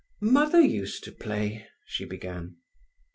"Mother used to play—" she began.